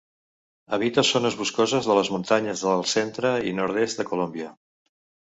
Habita zones boscoses de les muntanyes del centre i nord-est de Colòmbia.